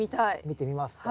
見てみますか。